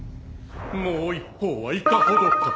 もう一方はいかほどか？